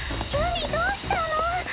急にどうしたの？